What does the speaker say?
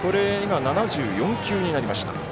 ７４球になりました。